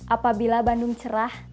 apabila bandung cerah